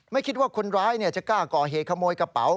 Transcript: ไม่คิดว่าคนร้ายจะกล้าก่อเหตุขโมยกระเป๋า